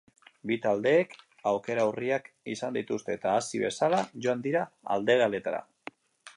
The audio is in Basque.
Bi taldeek aukera urriak izan dituzte, eta hasi bezala joan dira aldageletara.